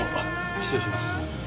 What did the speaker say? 失礼します。